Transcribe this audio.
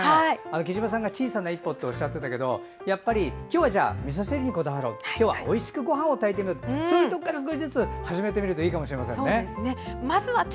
きじまさんが小さな一歩とおっしゃっていたけど今日はみそ汁にこだわろう今日はおいしくごはんを炊いてみようそういうところから少しずつ始めてみるといいかもしれない。